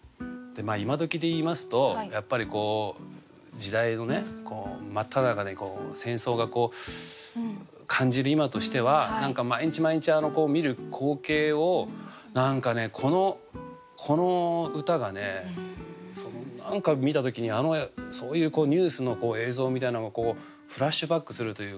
今どきで言いますとやっぱりこう時代のね真っただ中に戦争が感じる今としては何か毎日毎日見る光景をこの歌が何か見た時にそういうニュースの映像みたいなのがこうフラッシュバックするというか。